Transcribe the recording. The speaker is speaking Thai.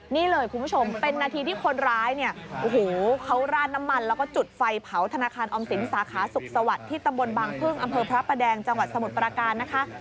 นี่เลยคุณผู้ชมเป็นนาทีที่คนร้ายเนี่ยโอ้โหเขาราดน้ำมันแล้วก็จุดไฟเผาธนาคารออมสินสาขาสุขสวัสดิ์ที่ตำบลบางพึ่งอำเภอพระประแดงจังหวัดสมุทรปราการนะคะ